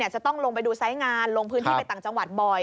จะต้องลงไปดูไซส์งานลงพื้นที่ไปต่างจังหวัดบ่อย